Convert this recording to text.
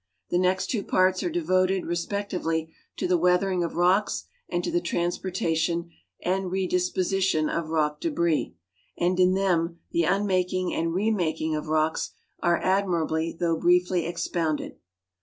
The next two parts are devoted, re spectively, to the weathering of rocks and to the transportation and redeposition of rock debris, and in them the unmaking and remaking of rocks are admirably though briefly expounded.